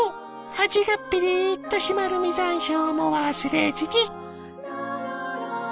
味がピリッと締まる実山椒も忘れずに。